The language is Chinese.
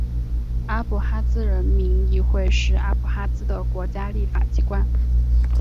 阿布哈兹人民议会是阿布哈兹的国家立法机关。